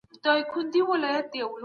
خو اصليت له لاسه مه ورکوئ.